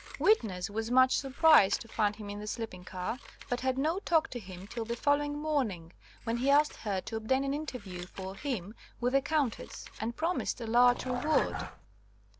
"Witness was much surprised to find him in the sleeping car, but had no talk to him till the following morning, when he asked her to obtain an interview for him with the Countess, and promised a large reward.